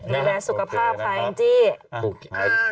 แล้วแรงสุขภาพค่ะอินทรีย์